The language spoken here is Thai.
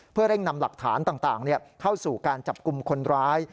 เพื่อเร่งนำหลักฐานต่างเข้าสู่การจับกลุ่มคนร้าย